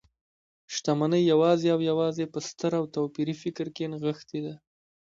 شتمنۍ يوازې او يوازې په ستر او توپيري فکر کې نغښتي ده .